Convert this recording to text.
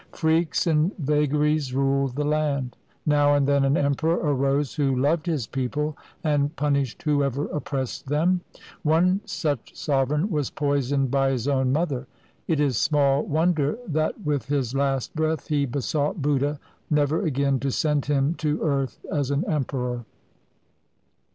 Freaks and vagaries ruled the land. Now and then an emperor arose who loved his people and punished whoever oppressed them. One such sovereign was poisoned by his own mother. It is small won der that with his last breath he besought Buddha never again to send him to earth as an emperor.